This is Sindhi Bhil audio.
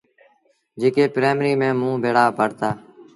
جيڪي پرآئيمريٚ ميݩ موݩ ڀيڙآ پڙهتآ۔